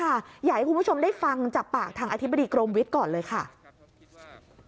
อยากให้คุณผู้ชมได้ฟังจากปากทางอธิบดีกรมวิทย์ก่อนเลยค่ะ